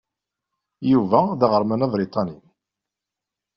Yuba d aɣerman abriṭani.